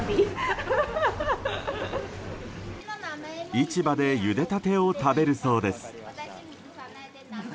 市場でゆで立てを食べるそうです。